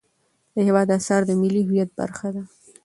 د هېواد اثار د ملي هویت برخه ده.